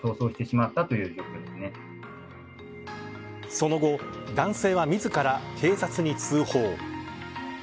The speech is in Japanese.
その後、男性は自ら警察に通報。